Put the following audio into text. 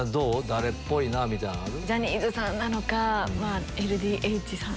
誰っぽいなぁみたいなんある？